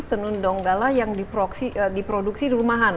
jadi tenun donggala yang diproduksi di rumah